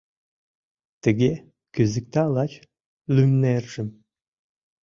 Тыге кӱзыкта лач лӱмнержым.